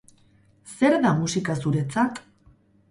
Zer da musika zuretzat?